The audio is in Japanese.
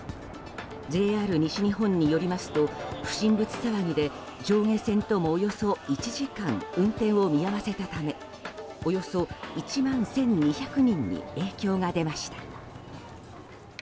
ＪＲ西日本によりますと不審物騒ぎで上下線ともおよそ１時間運転を見合わせたためおよそ１万１２００人に影響が出ました。